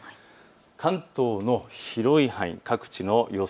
関東の広い範囲、各地の予想